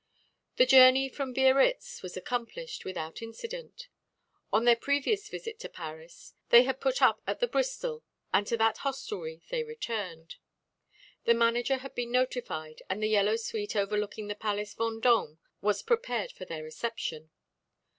The journey from Biarritz was accomplished without incident. On their previous visit to Paris, they had put up at the Bristol and to that hostelry they returned. The manager had been notified and the yellow suite overlooking the Palace Vendôme was prepared for their reception.